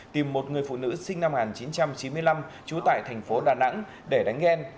tìm một người phụ nữ sinh năm một nghìn chín trăm chín mươi năm trú tại thành phố đà nẵng để đánh ghen